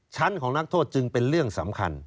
ชั้นของนักโทษจึงเป็นเรื่องสำคัญ